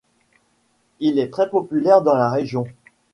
Il est très populaire dans la région.